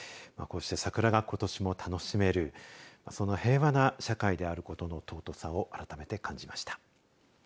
こうして桜がことしも楽しめるその平和な社会であることの尊さをあらためて感じました。